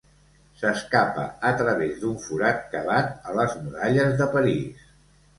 S'escapa a través d'un forat cavat a les muralles de París.